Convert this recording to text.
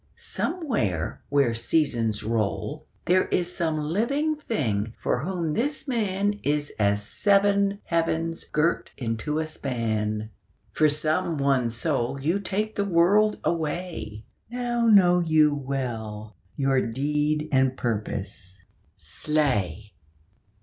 somewhere where seasons roll There is some living thing for whom this man Is as seven heavens girt into a span, For some one soul you take the world away Now know you well your deed and purpose. Slay!'